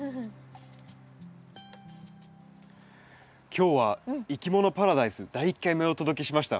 今日は「いきものパラダイス」第１回目をお届けしました。